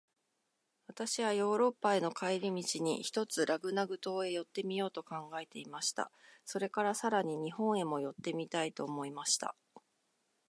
私はヨーロッパへの帰り途に、ひとつラグナグ島へ寄ってみようと考えていました。それから、さらに日本へも寄ってみたいと思いました。